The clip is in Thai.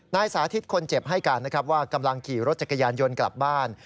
สาธิตคนเจ็บให้การนะครับว่ากำลังขี่รถจักรยานยนต์กลับบ้าน